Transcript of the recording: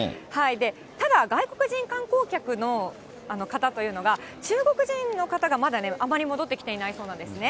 ただ、外国人観光客の方というのが、中国人の方がまだあまり戻っていないそうなんですね。